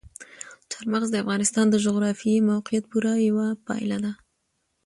چار مغز د افغانستان د جغرافیایي موقیعت پوره یوه پایله ده.